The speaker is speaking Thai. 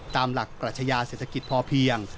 ตามหลักกระใช้าศิษยาเศรษฐกิจพอเพียง